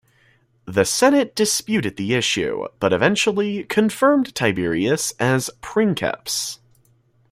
The Senate disputed the issue but eventually confirmed Tiberius as "princeps".